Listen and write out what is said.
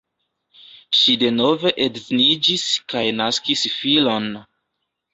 Ŝi denove edziniĝis kaj naskis filon.